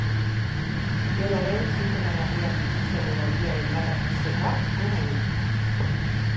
Dena den, sintoma larriak dituztenen adinaren bataz bestekoak gora egin du.